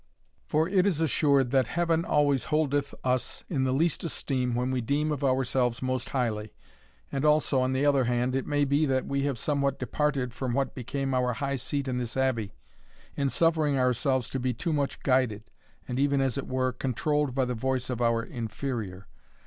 For it is assured that Heaven always holdeth us in the least esteem when we deem of ourselves most highly, and also, on the other hand, it may be that we have somewhat departed from what became our high seat in this Abbey, in suffering ourselves to be too much guided, and even, as it were, controlled, by the voice of our inferior.